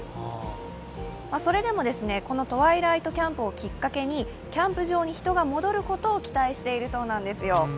それでもこのトワイライトキャンプをきっかけに人が戻ることを期待しているそうです。